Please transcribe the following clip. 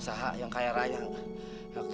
siapa yang mau buat nungguin lu